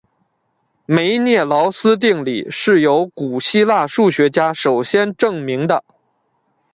梅涅劳斯定理是由古希腊数学家首先证明的。